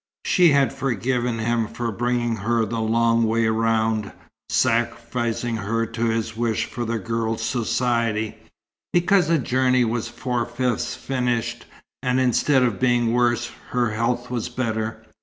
She had forgiven him for bringing her the long way round, sacrificing her to his wish for the girl's society, because the journey was four fifths finished, and instead of being worse, her health was better.